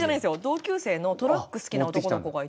同級生のトラック好きな男の子がいて。